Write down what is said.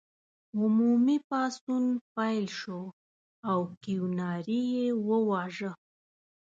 عمومي پاڅون پیل شو او کیوناري یې وواژه.